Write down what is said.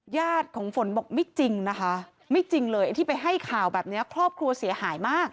ญาติของฝนบอกไม่จริงนะคะไม่จริงเลยไอ้ที่ไปให้ข่าวแบบนี้ครอบครัวเสียหายมาก